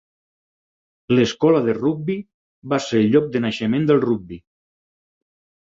L'Escola de Rugbi va ser el lloc de naixement del rugbi.